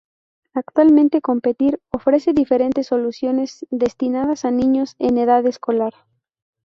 Actualmente, Competir, ofrece diferentes soluciones destinadas a niños en edad escolar.